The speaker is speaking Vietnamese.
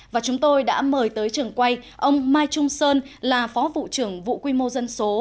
và chúng tôi đã mời tới trường quay ông mai trung sơn là phó vụ trưởng vụ quy mô dân số